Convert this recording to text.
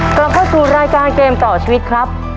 กลับเข้าสู่รายการเกมต่อชีวิตครับ